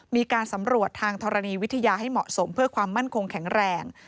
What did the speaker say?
มีการสำรวจทางธรณีวิทยาให้เหมาะสมเพื่อความมั่นคงแข็งแรง